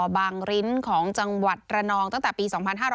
ริ้นของจังหวัดระนองตั้งแต่ปี๒๕๕๙